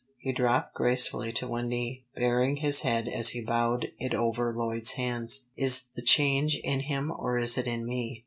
He dropped gracefully to one knee, baring his head as he bowed it over Lloyd's hands. "Is the change in him or is it in me?"